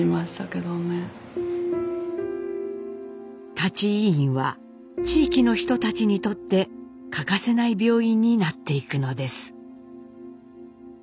舘医院は地域の人たちにとって欠かせない病院になっていくのです。